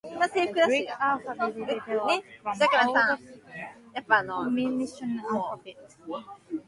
The Greek alphabet developed from the older Phoenician alphabet.